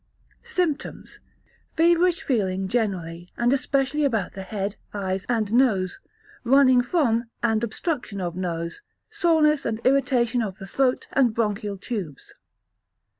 Symptoms. Feverish feeling generally, and especially about the head, eyes, and nose, running from, and obstruction of, nose; soreness and irritation of the throat and bronchial tubes.